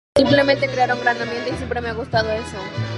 Simplemente, crearon un gran ambiente, y siempre me ha gustado eso.